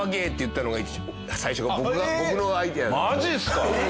マジっすか！